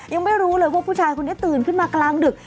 ยังไม่รู้เลยว่าผู้ชายคนนี้ตื่นขึ้นมากลางดึก